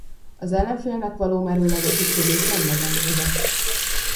Az ellenfélnek való merőleges ütközés nem megengedett.